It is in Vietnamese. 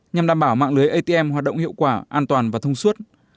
nhằm đảm bảo mạng lưới atm hoạt động hiệu quả an toàn và thông suốt